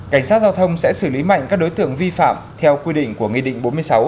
cảnh sát giao thông sẽ xử lý mạnh các đối tượng vi phạm theo quy định của nghị định bốn mươi sáu